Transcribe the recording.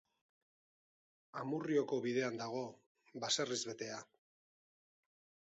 Amurrioko bidean dago, baserriz betea.